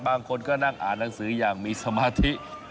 บางคนก็นั่งอ่านหนังสืออย่างมีสมาธิ